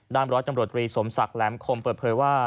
ร้อยตำรวจตรีสมศักดิ์แหลมคมเปิดเผยว่า